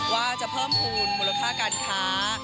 ว่าจะเพิ่มภูมิมูลค่าการค้า